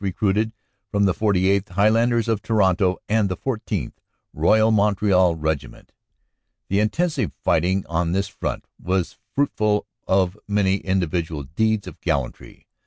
recruited from the 48th. Highlanders of Toronto, and the 14th., Royal Montreal Regiment. The intensive fighting on this front was fruitful of many individual deeds of gallantry.